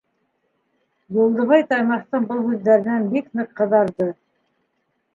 Юлдыбай Таймаҫтың был һүҙҙәренән бик ныҡ ҡыҙарҙы.